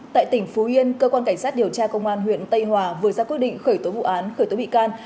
tại tỉnh phú yên cơ quan cảnh sát điều tra công an huyện tây hòa vừa ra quyết định khởi tố vụ án khởi tố bị can